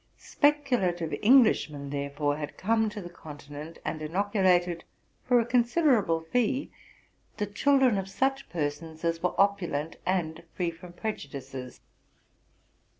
Speculative Englishmen, therefore, had come to the Continent, and inoculated, for a considerable fee, the children of such persons as were opulent, and free from preju dices.